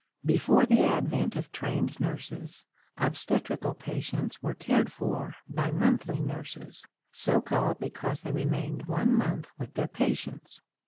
Before the advent of "Trained Nurses," obstetrical patients were cared for by "Monthly Nurses," so called because they remained one month with their patients.